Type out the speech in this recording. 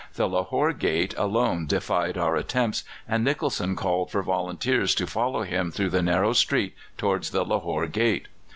The Lahore Gate alone defied our attempts, and Nicholson called for volunteers to follow him through the narrow street towards the Lahore Gate.